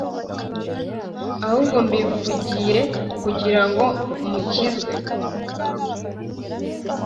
Ahubwo mbivugiye kugira ngo mukizwe